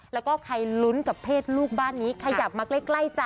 แล้วก็ใครลุ้นกับเพศลูกบ้านนี้ขยับมาใกล้จ้ะ